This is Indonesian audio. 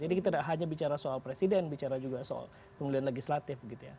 jadi kita tidak hanya bicara soal presiden bicara juga soal pemilihan legislatif gitu ya